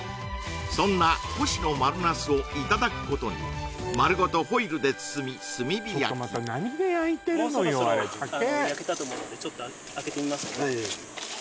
そんな越の丸茄子をいただくことに丸ごとホイルで包み炭火焼きもうそろそろ焼けたと思うんで開けてみますか？